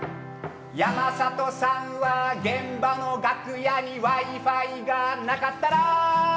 山里さんは現場の楽屋にＷｉ−Ｆｉがなかったら。